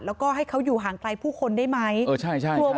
แล้วให้ข้าวห้างไกลผู้คนได้ไหม